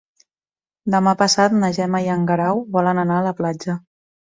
Demà passat na Gemma i en Guerau volen anar a la platja.